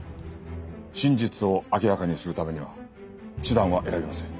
真実を明らかにするためには手段は選びません。